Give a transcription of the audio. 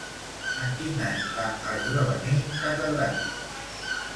En quin any va esdevenir catedràtica?